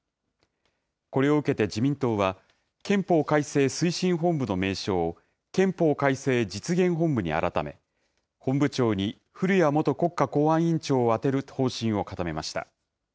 これを受けて自民党は、憲法改正推進本部の名称を、憲法改正実現本部に改め、本部長に古屋元国家公安委員長を充てる方針を固めました。